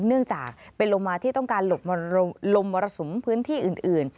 เนื่องจากเป็นโลมาที่ต้องการหลบลมมรสุมพื้นที่อื่น